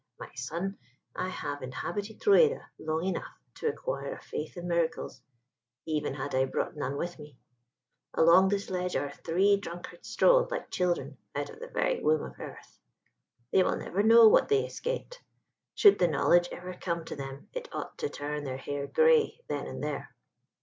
My son, I have inhabited Rueda long enough to acquire a faith in miracles, even had I brought none with me. Along this ledge our three drunkards strolled like children out of the very womb of earth. They will never know what they escaped: should the knowledge ever come to them it ought to turn their hair grey then and there."